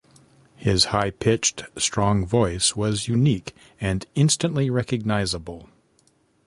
His high pitched strong voice was unique, and instantly recognisable.